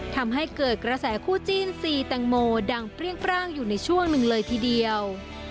ทำให้เกิดกระแสคู่จิ้นซีแตงโมดังเปรี้ยงปร่างอยู่ในช่วงหนึ่งเลยทีเดียว